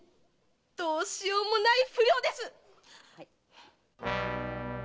どうしようもない不良ですっ！